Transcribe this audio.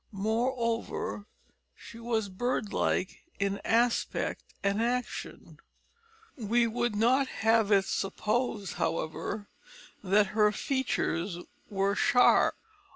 Moreover, she was bird like in aspect and action. We would not have it supposed, however, that her features were sharp.